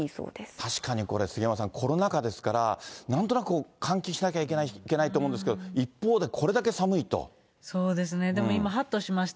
確かにこれ、杉山さん、コロナ禍ですから、なんとなく換気しなきゃいけないと思うんですけど、一方でこれだそうですね、でも今、はっとしました。